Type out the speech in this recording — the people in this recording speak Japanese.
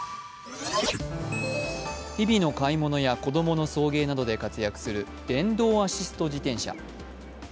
日々の買い物や子供の送迎などで活躍する電動アシスト自転車。